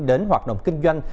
đến hoạt động kinh doanh